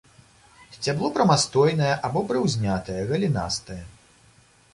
Сцябло прамастойнае або прыўзнятае, галінастае.